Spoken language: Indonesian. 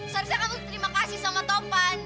seharusnya kamu tuh terima kasih sama topan